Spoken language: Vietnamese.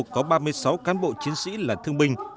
có ba mươi sáu cán bộ chiến sĩ là thương binh